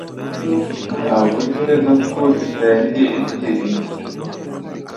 Ntabwo nzi neza ko dusangiye ibyiringiro